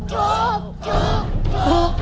ถูก